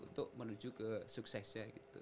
untuk menuju ke suksesnya gitu